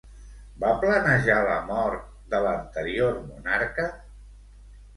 Va planejar la mort de l'anterior monarca?